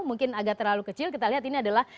mungkin agak terlalu kecil kita lihat ini adalah